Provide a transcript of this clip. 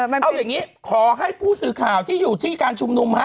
เอาอย่างนี้ขอให้ผู้สื่อข่าวที่อยู่ที่การชุมนุมฮะ